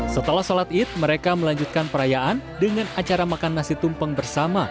setelah sholat id mereka melanjutkan perayaan dengan acara makan nasi tumpeng bersama